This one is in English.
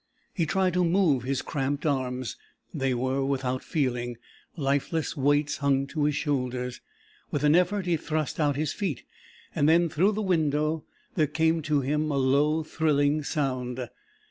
He tried to move his cramped arms. They were without feeling, lifeless weights hung to his shoulders. With an effort he thrust out his feet. And then through the window there came to him a low, thrilling sound.